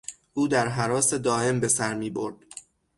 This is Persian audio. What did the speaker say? او در هراس دایم بسر میبرد.